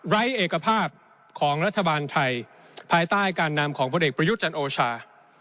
ไร้เอกภาพของรัฐบาลไทยภายใต้การนำของพลเอกประยุทธ์จันทร์โอชา